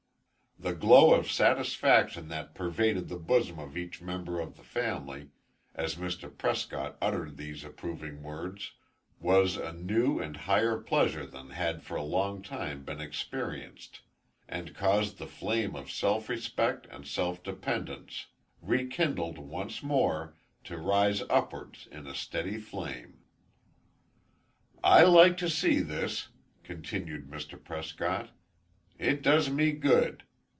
The glow of satisfaction that pervaded the bosom of each member of the family, as Mr. Prescott uttered these approving words, was a new and higher pleasure than had for a long time been experienced, and caused the flame of self respect and self dependence, rekindled once more, to rise upwards in a steady flame. "I like to see this," continued Mr. Prescott. "It does me good.